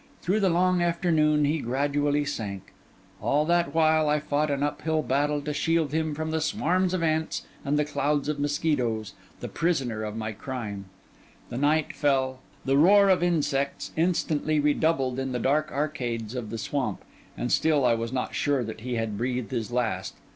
Through the long afternoon, he gradually sank. All that while, I fought an uphill battle to shield him from the swarms of ants and the clouds of mosquitoes: the prisoner of my crime. The night fell, the roar of insects instantly redoubled in the dark arcades of the swamp; and still I was not sure that he had breathed his last.